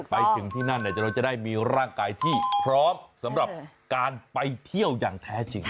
ไปถึงที่นั่นเราจะได้มีร่างกายที่พร้อมสำหรับการไปเที่ยวอย่างแท้จริง